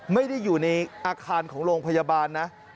ไม่ได้อยู่ในอาคารของโรงพยาบาลนะ